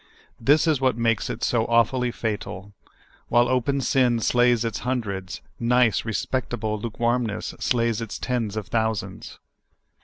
This is what makes it so awfully fatal. While open sin slays its hundreds, nice, respect able lukewarmness sla3's its tens of thousands.